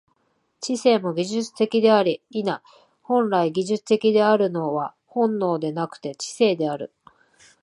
知性も技術的であり、否、本来技術的であるのは本能でなくて知性である。